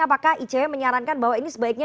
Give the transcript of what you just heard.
apakah icw menyarankan bahwa ini sebaiknya